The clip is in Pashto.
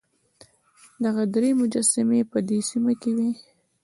دغه درې مجسمې په دې سیمه کې وې.